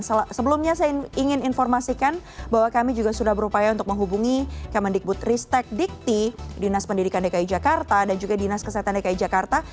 dan sebelumnya saya ingin informasikan bahwa kami juga sudah berupaya untuk menghubungi kementerian dikbud ristek dikti dinas pendidikan dki jakarta dan juga dinas kesehatan dki jakarta